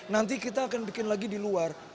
nanti kita akan bikin lagi di luar